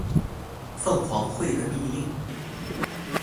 鳳凰會的密令